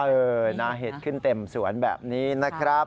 เออนาเห็ดขึ้นเต็มสวนแบบนี้นะครับ